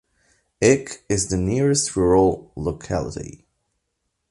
Ik is the nearest rural locality.